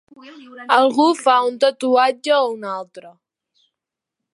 Algú fa un tatuatge a un altre